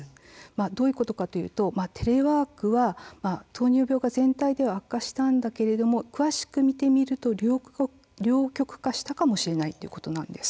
どういうことかというとテレワークは糖尿病は全体では悪化したんですけれども詳しく見てみると両極化したかもしれないということなんです。